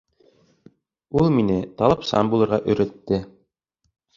Ул мине талапсан булырға өйрәтте.